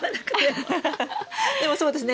でもそうですね。